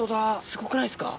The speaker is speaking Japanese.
すごくないですか？